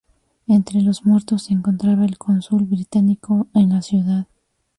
Entre los muertos se encontraba el cónsul británico en la ciudad.